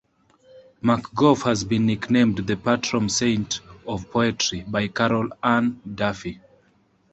McGough has been nicknamed "the patron saint of poetry" by Carol Ann Duffy.